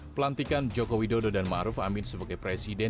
pelantikan jokowi dodo dan maruf amin sebagai presiden